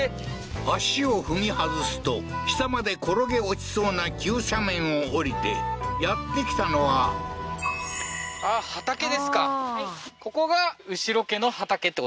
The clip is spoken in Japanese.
足を踏み外すと下まで転げ落ちそうな急斜面を下りてやって来たのは畑ですか？